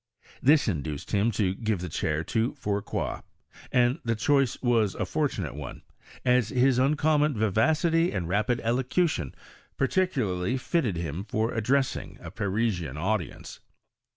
This in duced him to give the chair to Fourcroy ; and the clioice was a fortunate one, as his uncommon vivacity and rapid elocution particularly fitted him for addressing a Parisian audience.